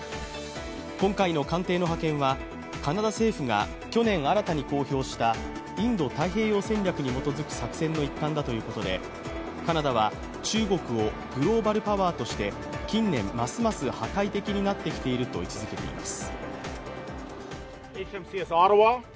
今回の艦艇の派遣はカナダ政府が去年新たに公表したインド太平洋戦略に基づく作戦の一環だということで、カナダは中国をグローバルパワーとして近年ますます破壊的になってきていると位置づけています。